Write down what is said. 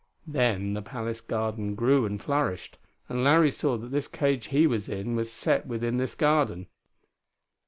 Then the palace garden grew and flourished, and Larry saw that this cage he was in was set within this garden.